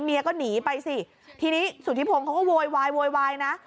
เมียก็หนีไปสิทีนี้สุธิพงศ์เขาก็โวยวายโวยวายนะ